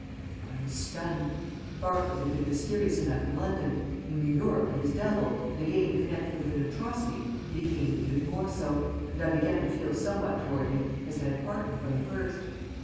I was stunned. Barker had been mysterious enough in London. In New York with his double, and again connected with an atrocity, he became even more so, and I began to feel somewhat towards him as had Parton from the first.